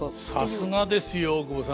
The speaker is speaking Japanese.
さすがですよ大久保さん。